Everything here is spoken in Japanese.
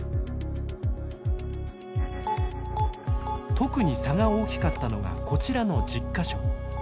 特に差が大きかったのがこちらの１０か所。